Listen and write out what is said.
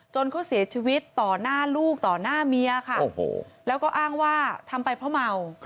เขาเสียชีวิตต่อหน้าลูกต่อหน้าเมียค่ะแล้วก็อ้างว่าทำไปเพราะเมา